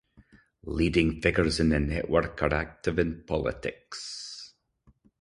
Leading figures in the Network are active in politics.